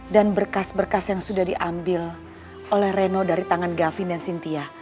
dan berkas berkas yang sudah diambil oleh reno dari tangan gavin dan cynthia